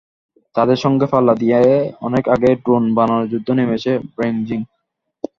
তাদের সঙ্গে পাল্লা দিয়ে অনেক আগেই ড্রোন বানানোর যুদ্ধে নেমেছে বেইজিং।